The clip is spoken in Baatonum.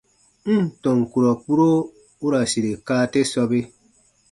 N ǹ tɔn kurɔ kpuro u ra sire kaa te sɔbe.